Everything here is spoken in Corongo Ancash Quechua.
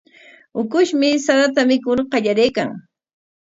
Ukushmi sarata mikur qallariykan.